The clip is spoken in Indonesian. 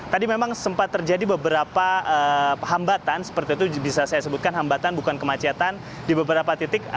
tadi memang sempat terjadi beberapa hambatan seperti itu bisa saya sebutkan hambatan bukan kemacetan di beberapa titik